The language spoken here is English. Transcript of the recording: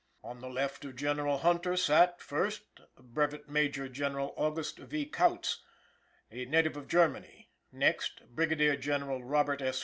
On the left of General Hunter sat, first, Brevet Major General August V. Kautz, a native of Germany; next, Brigadier General Robert S.